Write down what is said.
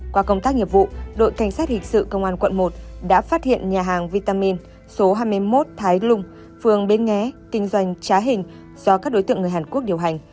qua công tác nghiệp vụ đội cảnh sát hình sự công an quận một đã phát hiện nhà hàng vitamin số hai mươi một thái lung phường bến nghé kinh doanh trá hình do các đối tượng người hàn quốc điều hành